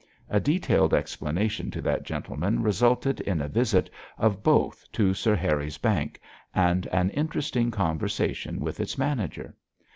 A detailed explanation to that gentleman resulted in a visit of both to Sir Harry's bank, and an interesting conversation with its manager.